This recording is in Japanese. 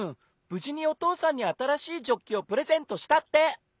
ぶじにおとうさんにあたらしいジョッキをプレゼントしたって。